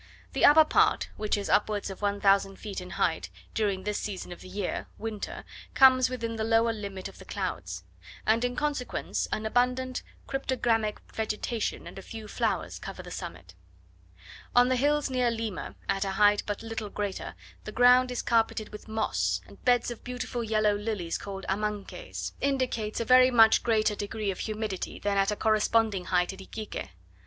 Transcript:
The upper part, which is upwards of 1000 feet in height, during this season of the year (winter), comes within the lower limit of the clouds; and in consequence, an abundant cryptogamic vegetation, and a few flowers cover the summit. On the hills near Lima, at a height but little greater, the ground is carpeted with moss, and beds of beautiful yellow lilies, called Amancaes. This indicates a very much greater degree of humidity, than at a corresponding height at Iquique.